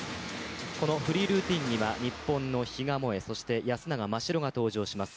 このフリールーティンには日本の比嘉もえ、安永真白が登場します。